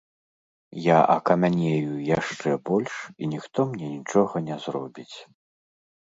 Я акамянею яшчэ больш, і ніхто мне нічога не зробіць.